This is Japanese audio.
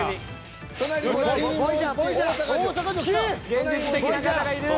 現実的な方がいる。